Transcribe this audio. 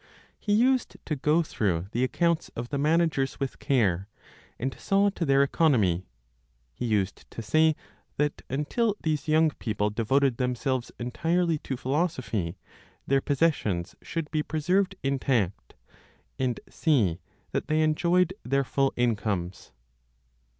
He used to go through the accounts of the managers with care, and saw to their economy; he used to say that until these young people devoted themselves entirely to philosophy, their possessions should be preserved intact, and see that they enjoyed their full incomes.